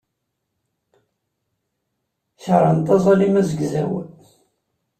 Keṛhent aẓalim azegzaw.